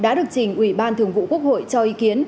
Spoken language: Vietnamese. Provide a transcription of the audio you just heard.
đã được trình ủy ban thường vụ quốc hội cho ý kiến